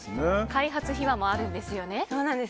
開発秘話もあるんですよね。